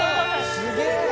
すげえ！